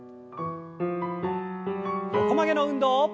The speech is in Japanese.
横曲げの運動。